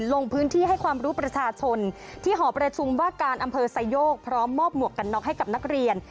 ลงพื้นที่ให้ความรู้ประชาชนที่หอประชุมว่าการอำเภอไซโยกพร้อมมอบหมวกกันน็อกให้กับนักเรียน